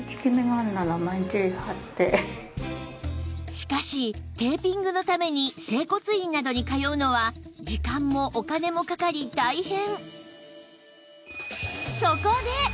しかしテーピングのために整骨院などに通うのは時間もお金もかかり大変